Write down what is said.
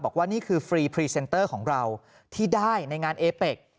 บอกว่านี่คือฟรีพรีเซนเตอร์ของเราที่ได้ในงานเอเป็ก